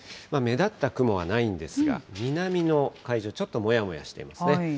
目立った雲はないんですが、南の海上、ちょっともやもやしていますね。